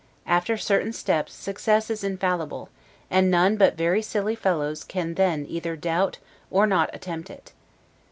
After certain steps success is infallible; and none but very silly fellows can then either doubt, or not attempt it.